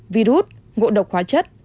virus ngộ độc hóa chất